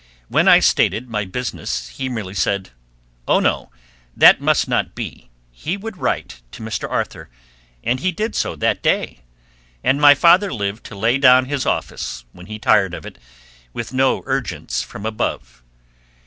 When I stated my business he merely said, Oh no; that must not be; he would write to Mr. Arthur; and he did so that day; and my father lived to lay down his office, when he tired of it, with no urgence from above.